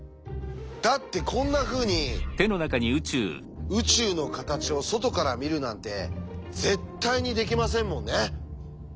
だってこんなふうに宇宙の形を外から見るなんて絶対にできませんもんね。